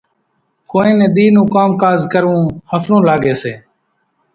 ڪونئين نين ۮِي نون ڪام ڪاز ڪروون ۿڦرون لاڳيَ سي۔